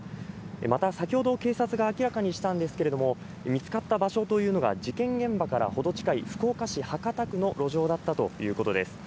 また、先ほど警察が明らかにしたんですけれども、見つかった場所というのが事件現場から程近い福岡市博多区の路上だったということです。